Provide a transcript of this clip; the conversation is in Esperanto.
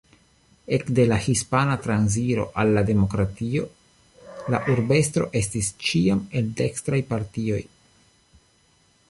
Ekde la Hispana transiro al la demokratio la urbestro estis ĉiam el dekstraj partioj.